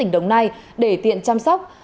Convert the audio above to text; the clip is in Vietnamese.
đồng nai để tiện chăm sóc